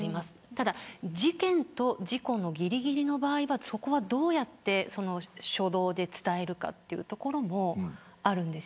ただ、事件と事故のぎりぎりの場合はどうやって初動で伝えるかというところもあるんです。